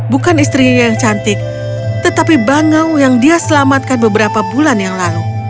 bukan istrinya yang cantik tetapi bangau yang dia selamatkan beberapa bulan yang lalu